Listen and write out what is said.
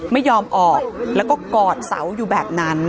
ไม่ยอมออกแล้วก็กอดเสาอยู่แบบนั้น